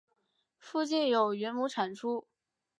附近有云母产出。